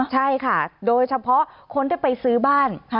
ใช่ค่ะโดยเฉพาะคนที่ไปซื้อบ้าน